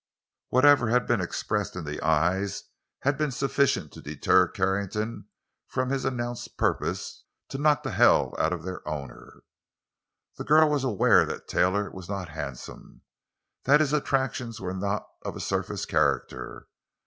Whatever had been expressed in the eyes had been sufficient to deter Carrington from his announced purpose to "knock hell out of" their owner. The girl was aware that Taylor was not handsome; that his attractions were not of a surface character.